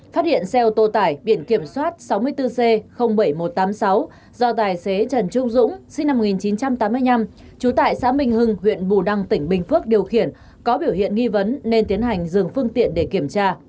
phát hiện xe ô tô tải biển kiểm soát sáu mươi bốn c bảy nghìn một trăm tám mươi sáu do tài xế trần trung dũng sinh năm một nghìn chín trăm tám mươi năm trú tại xã minh hưng huyện bù đăng tỉnh bình phước điều khiển có biểu hiện nghi vấn nên tiến hành dừng phương tiện để kiểm tra